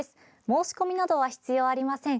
申し込みなどは必要ありません。